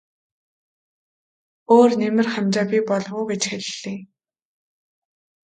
Өөр нэмэр хамжаа бий болов уу гэж хэллээ.